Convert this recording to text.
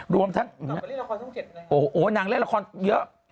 รวมทั้งโอ้โหนางเล่นละครเยอะ